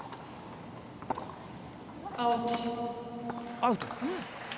アウト。